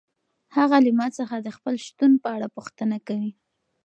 هغه له ما څخه د خپل شتون په اړه پوښتنه کوي.